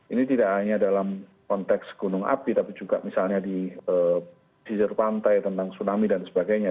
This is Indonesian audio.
ini tidak hanya dalam konteks gunung api tapi juga misalnya di sisir pantai tentang tsunami dan sebagainya